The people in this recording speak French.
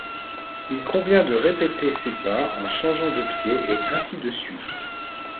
Il convient de répéter ces pas en changeant de pied et ainsi de suite.